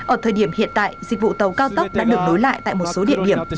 ở thời điểm hiện tại dịch vụ tàu cao tốc đã được nối lại tại một số địa điểm